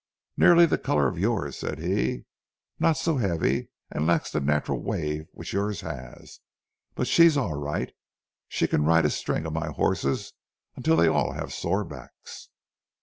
"'Nearly the color of yours,' said he. 'Not so heavy and lacks the natural wave which yours has—but she's all right. She can ride a string of my horses until they all have sore backs.